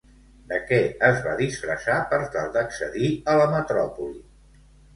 De què es va disfressar per tal d'accedir a la metròpoli?